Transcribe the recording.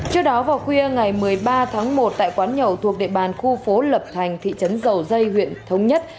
trước đó vào khuya ngày một mươi ba tháng một tại quán nhậu thuộc địa bàn khu phố lập thành thị trấn dầu dây huyện thống nhất